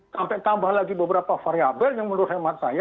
sampai tambah lagi beberapa variabel yang menurut hemat saya